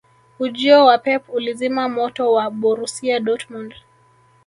ujio wa pep ulizima moto wa borusia dortmund